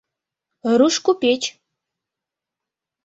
Руш купеч.